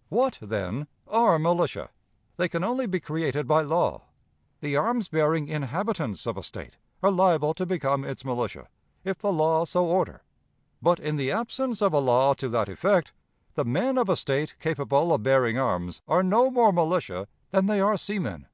' "What, then, are militia? They can only be created by law. The arms bearing inhabitants of a State are liable to become its militia, if the law so order; but, in the absence of a law to that effect, the men of a State capable of bearing arms are no more militia than they are seamen.